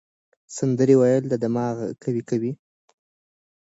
سندرې ویل دماغ قوي کوي.